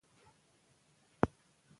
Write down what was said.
ملالۍ کولای سوای چې له ویرې وتښتي.